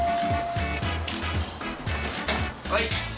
はい。